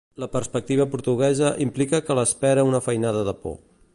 La perspectiva portuguesa implica que l'espera una feinada de por.